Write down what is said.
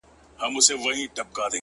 • کښته پورته یې ځغستله لاندي باندي,